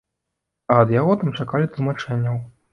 А ад яго там чакалі тлумачэнняў.